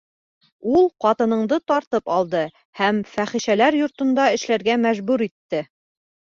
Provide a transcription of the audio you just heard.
Ул ҡатыныңды тартып алды һәм фәхишәләр йортонда эшләргә мәжбүр итте.